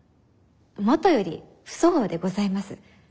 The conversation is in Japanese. もとより不相応でございます。